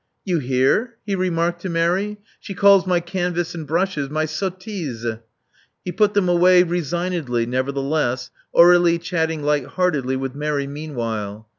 '* "You hear?" he remarked to Mary. "She calls my canvas and brushes my sottises.'' He put them away resignedly, nevertheless, Aurdlie chatting light lieartedly with Mary, meanwhile.